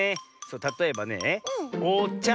たとえばね「おちゃ」